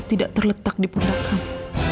tidak terletak di bunda kamu